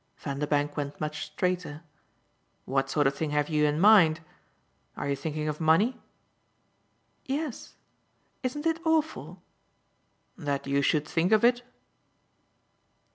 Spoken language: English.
Vanderbank went much straighter. "What sort of thing have you in mind? Are you thinking of money?" "Yes. Isn't it awful?" "That you should think of it?"